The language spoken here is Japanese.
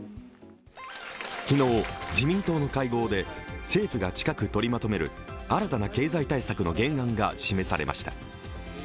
昨日自民党の会合で政府が近く取りまとめる新たな経済対策の原案が示されました。